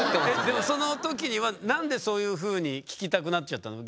でもその時には何でそういうふうに聞きたくなっちゃったの？